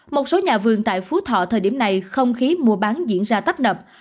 một số nhà vườn tại phú thọ thời điểm này không khí mua bán diễn ra tấp nập